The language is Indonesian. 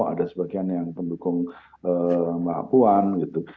ada sebagian yang pendukung mbak puan gitu